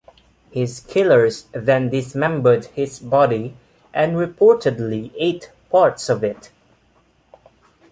His killers then dismembered his body and reportedly ate parts of it.